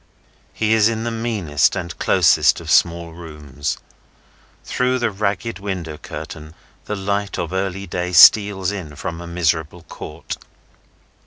He is in the meanest and closest of small rooms. Through the ragged window curtain, the light of early day steals in from a miserable court.